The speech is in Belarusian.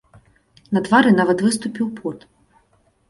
На твары нават выступіў пот.